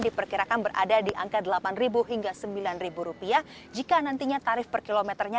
diperkirakan berada di angka rp delapan sembilan jika nantinya tarif per kilometernya